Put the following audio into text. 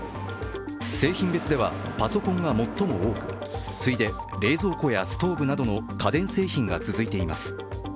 製品別ではパソコンが最も多く次いで冷蔵庫やストーブなどの家電製品が続いています。